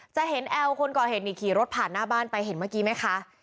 จะเห็นแอลคนก่อเหตุนี่ขี่รถผ่านหน้าบ้านไปเห็นเมื่อกี้ไหมคะ